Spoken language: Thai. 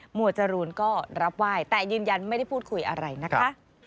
วดจรูนก็รับไหว้แต่ยืนยันไม่ได้พูดคุยอะไรนะคะ